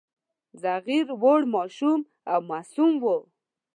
صغیر وړ، ماشوم او معصوم وو.